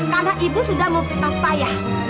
karena ibu sudah memfitnah saya